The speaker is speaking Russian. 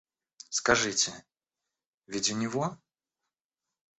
Скажите, ведь у него?